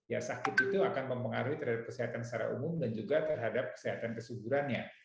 ya sakit itu akan mempengaruhi terhadap kesehatan secara umum dan juga terhadap kesehatan kesuburannya